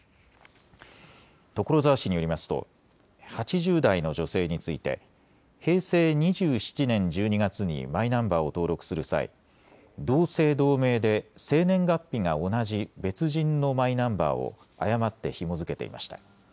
所沢市によりますと８０代の女性について平成２７年１２月にマイナンバーを登録する際、同姓同名で生年月日が同じ別人のマイナンバーを誤ってひも付けていました。